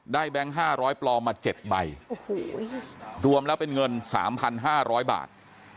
ได้แบงค์ห้าร้อยปลอมมาเจ็ดใบโอ้โหรวมแล้วเป็นเงินสามพันห้าร้อยบาท